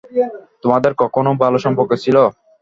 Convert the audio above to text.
তোমাদের কখনো ভালো সম্পর্ক ছিল?